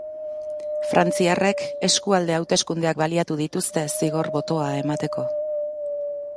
Frantziarrek eskualde hauteskundeak baliatu dituzte zigor botoa emateko.